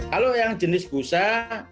halo yang jenis pusat